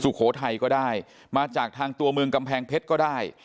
สุโขทัยก็ได้มาจากทางตัวเมืองกำแพงเพชรก็ได้